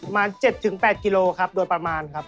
มา๗๘กิโลครับโดยประมาณครับ